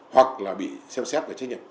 hoặc là bị xem xét